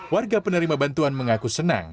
warga penerima bantuan mengaku senang